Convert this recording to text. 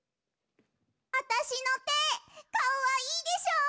あたしのてかわいいでしょ！